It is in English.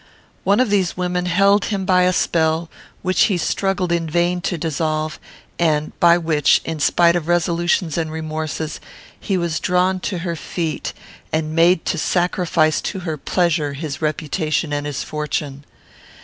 One of these women held him by a spell which he struggled in vain to dissolve, and by which, in spite of resolutions and remorses, he was drawn to her feet, and made to sacrifice to her pleasure his reputation and his fortune.